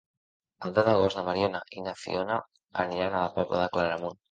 El deu d'agost na Mariona i na Fiona aniran a la Pobla de Claramunt.